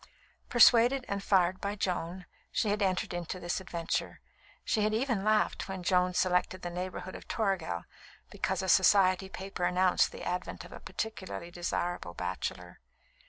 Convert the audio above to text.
Persuaded and fired by Joan, she had entered into this adventure. She had even laughed when Joan selected the neighbourhood of Toragel because a Society paper announced the advent of a particularly desirable bachelor.